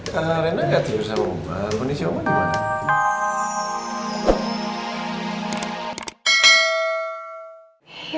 karena rina gak tidur sama mama namun isi mama gimana